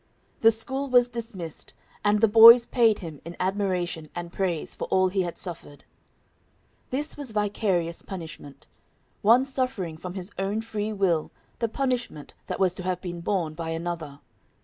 The school was dismissed, and the boys paid him in admiration and praise for all he had suffered. This was vicarious punishment, one suffering from his own free will the punishment that was to have been borne by another.